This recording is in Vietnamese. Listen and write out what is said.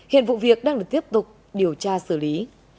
hiện vụ việc đang được tiếp tục điều tra xử lý